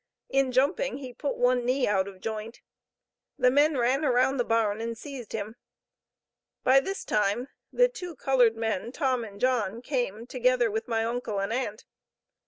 In jumping, he put one knee out of joint. The men ran around the barn and seized him. By this time, the two colored men, Tom and John, came, together with my uncle and aunt.